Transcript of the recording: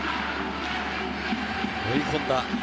追い込んだ。